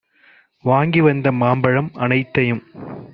வாங்கி வந்த மாம்பழம் அனைத்தையும்